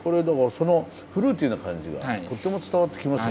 そのフルーティーな感じがとっても伝わってきますよ